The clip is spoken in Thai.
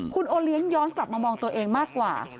คุณโอเลี้ยงย้อนกลับมามองตัวเองมากกว่า